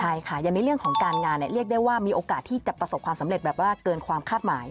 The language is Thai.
ใช่ค่ะอย่างในเรื่องของการงานเนี่ยเรียกได้ว่ามีโอกาสที่จะประสบความสำเร็จแบบว่าเกินความคาดหมาย